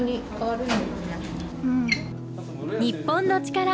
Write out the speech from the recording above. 『日本のチカラ』